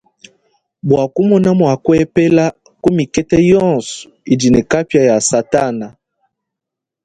Bua kumona mua kuepela ku mikete yonso idi ne kapia ya satana.